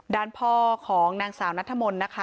ด้านพ่อของนางสาวนัทธมนต์นะคะ